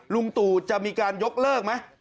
ลุงตู่จะมีการยกเลิกไหม